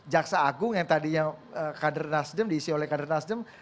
jaksa agung yang sudah diisi oleh kader nasdem